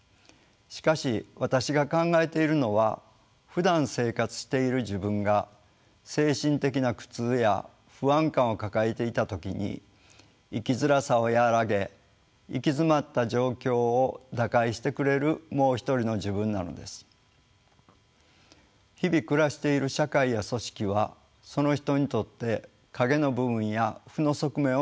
しかし私が考えているのはふだん生活している「自分」が精神的な苦痛や不安感を抱えていた時に生きづらさを和らげ行き詰まった状況を打開してくれる「もう一人の自分」なのです。日々暮らしている社会や組織はその人にとって影の部分や負の側面を持っています。